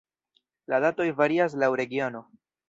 La datoj varias laŭ regiono.